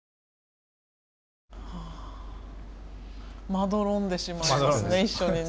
まどろんでしまいますね一緒にね。